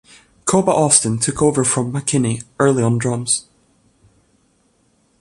Cuba Austin took over for McKinney early on drums.